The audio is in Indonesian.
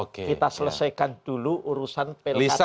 kita selesaikan dulu urusan pelikatan serentak